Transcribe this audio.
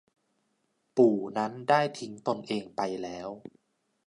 ปู่นั้นได้ทิ้งตนเองไปแล้ว